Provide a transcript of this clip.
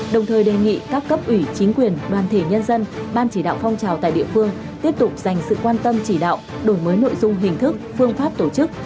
đồng thời đề nghị các cấp ủy chính quyền đoàn thể nhân dân ban chỉ đạo phong trào tại địa phương tiếp tục dành sự quan tâm chỉ đạo đổi mới nội dung hình thức phương pháp tổ chức